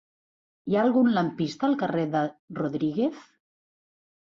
Hi ha algun lampista al carrer de Rodríguez?